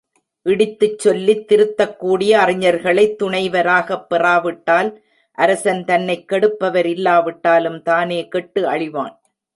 இடித்துச் சொல்லித் திருத்தக்கூடிய அறிஞர்களைத் துணைவராகப் பெறாவிட்டால் அரசன் தன்னைக் கெடுப்பவர் இல்லாவிட்டாலும் தானே கெட்டு அழிவான்.